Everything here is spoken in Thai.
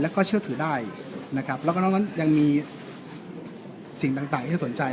แล้วก็เชื่อถือได้นะครับแล้วก็นอกนั้นยังมีสิ่งต่างที่จะสนใจ